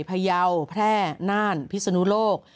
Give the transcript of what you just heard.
พยาวแพร่น่านพิศนุโลก